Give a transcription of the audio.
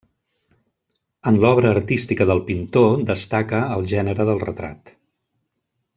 En l'obra artística del pintor, destaca el gènere del retrat.